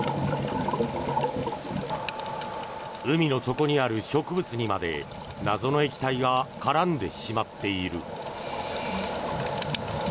海の底にある植物にまで謎の液体が絡んでしまっている。